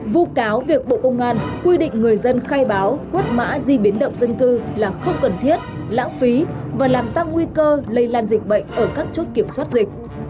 vụ cáo việc bộ công an quy định người dân khai báo quất mã di biến động dân cư là không cần thiết lãng phí và làm tăng nguy cơ lây lan dịch bệnh ở các chốt kiểm soát dịch